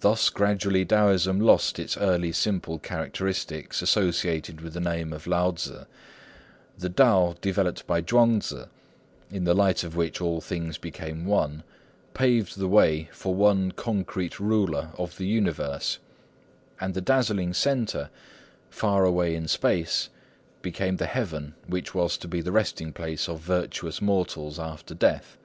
Thus gradually Taoism lost its early simple characteristics associated with the name of Lao Tzŭ. The Tao developed by Chuang Tzŭ, in the light of which all things became one, paved the way for One Concrete Ruler of the universe; and the dazzling centre, far away in space, became the heaven which was to be the resting place of virtuous mortals after death.